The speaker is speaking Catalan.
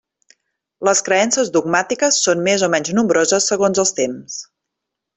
Les creences dogmàtiques són més o menys nombroses segons els temps.